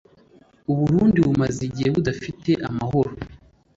U Burundi bumaze igihe budafite amahoro